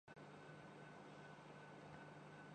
اداروں میں تصادم نہیں ہونا چاہیے۔